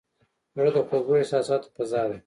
زړه د خوږو احساساتو فضا ده.